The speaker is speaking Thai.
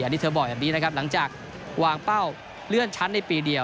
อันนี้เธอบอกแบบนี้นะครับหลังจากวางเป้าเลื่อนชั้นในปีเดียว